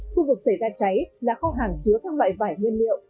khu vực xảy ra cháy là không hẳn chứa các loại vải nguyên liệu